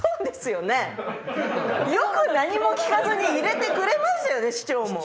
よく何も聞かずに入れてくれましたよね市長も。